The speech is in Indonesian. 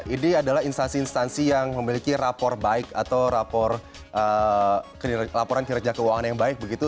ini adalah instansi instansi yang memiliki rapor baik atau laporan kinerja keuangan yang baik begitu